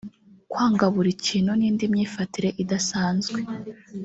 kwanga buri kintu n’indi myifatire idasanzwe